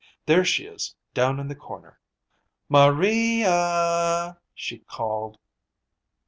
There she is, down in the corner. Maria a a!" she called.